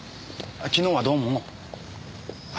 昨日はどうも。